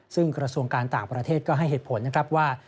ซึ่งกระทรวงการต่างประเทศก็ให้เหตุผลนะครับว่า